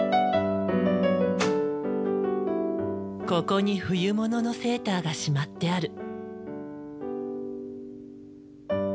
ここに冬物のセーターがしまってある。